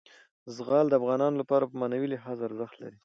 زغال د افغانانو لپاره په معنوي لحاظ ارزښت لري.